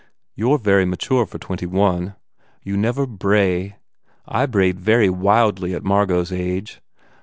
You re very mature for twenty one. You never bray. I brayed very wildly at Margot s age.